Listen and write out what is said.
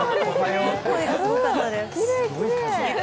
きれいきれい。